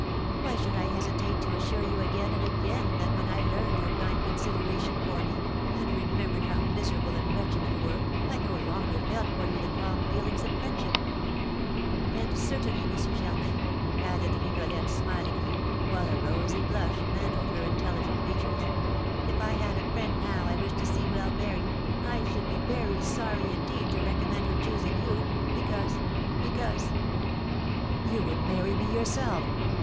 "Why should I hesitate to assure you again and again that when I learned your kind consideration for me, and remembered how miserable and wretched you were, I no longer felt for you the calm feelings of friendship? And certainly, M. Germain," added Rigolette, smilingly, while a rosy blush mantled her intelligent features, "if I had a friend now I wished to see well married, I should be very sorry indeed to recommend her choosing you, because, because " "You would marry me yourself!"